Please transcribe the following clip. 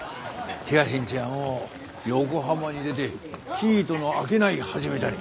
東の家はもう横浜に出て生糸の商い始めたに。